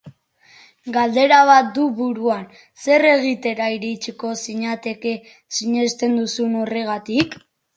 Galdera bat du buruan, zer egitera iritsiko zinateke sinesten duzun horregatik?